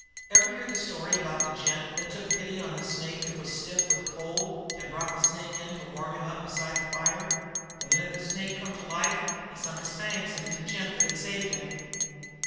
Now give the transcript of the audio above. Ever hear the story about the gent that took pity on the snake that was stiff with cold and brought the snake in to warm him up beside the fire? The minute the snake come to life he sunk his fangs in the gent that had saved him."